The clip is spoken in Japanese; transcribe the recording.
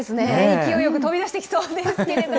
勢いよく飛び出してきそうですけれども。